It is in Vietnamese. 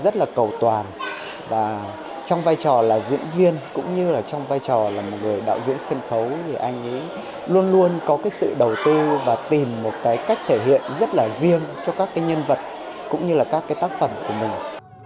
rất là cầu toàn và trong vai trò là diễn viên cũng như là trong vai trò là một người đạo diễn sân khấu thì anh ấy luôn luôn có cái sự đầu tư và tìm một cái cách thể hiện rất là riêng cho các cái nhân vật cũng như là các cái tác phẩm của mình